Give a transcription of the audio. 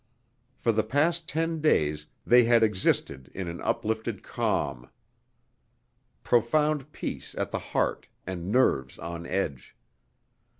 For the past ten days they had existed in an uplifted calm. Profound peace at the heart, and nerves on edge.